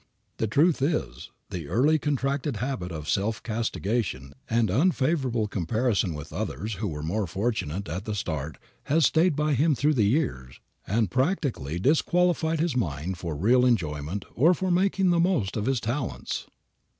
The truth is, the early contracted habit of self castigation and unfavorable comparison with others who were more fortunate at the start has stayed by him through the years and practically disqualified his mind for real enjoyment or for making the most of his talents.